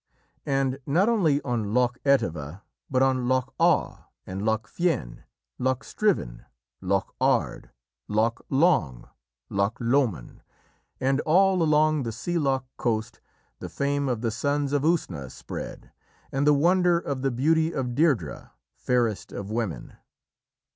And not only on Loch Etive, but on Loch Awe and Loch Fyne, Loch Striven, Loch Ard, Loch Long, Loch Lomond and all along the sea loch coast, the fame of the Sons of Usna spread, and the wonder of the beauty of Deirdrê, fairest of women.